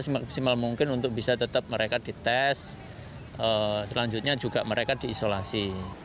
semaksimal mungkin untuk bisa tetap mereka dites selanjutnya juga mereka diisolasi